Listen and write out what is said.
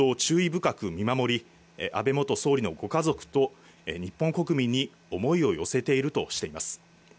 深く見守り、安倍元総理のご家族と日本国民に思いを寄せているとしています。